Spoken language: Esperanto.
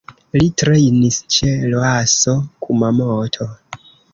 Li trejnis ĉe Roasso Kumamoto.